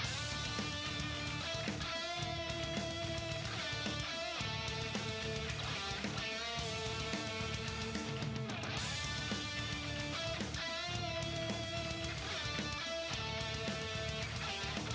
จังหวัดลุกวันนี้